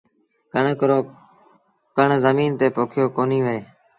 ڪڻڪ رو ڪڻ زميݩ تي پوکيو ڪونهي وهي